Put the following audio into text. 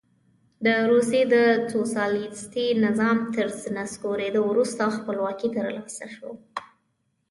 د روسیې د سوسیالیستي نظام تر نسکورېدو وروسته خپلواکي ترلاسه کړه.